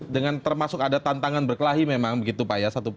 dengan termasuk ada tantangan berkelahi memang begitu pak ya